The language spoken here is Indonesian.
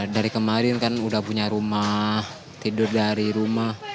dari kemarin kan udah punya rumah tidur dari rumah